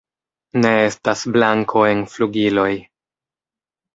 Ne estas blanko en flugiloj.